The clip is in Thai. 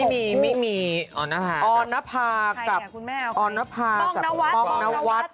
มี่มี่เอานพา